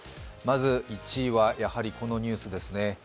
まず１位はやはりこのニュースですね。